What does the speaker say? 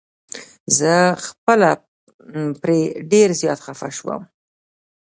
زه خپله پرې ډير زيات خفه شوم.